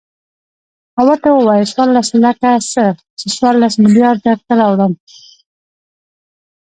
او ورته ووايه څورلس لکه څه ،چې څورلس ملېارده درته راوړم.